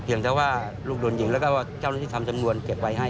เพียงแต่ว่าลูกดูดหญิงแล้วก็เจ้าหน้าที่ทำสำรวจเก็บไว้ให้แล้ว